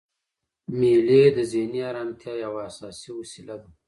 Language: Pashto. مېلې د ذهني ارامتیا یوه اساسي وسیله ده.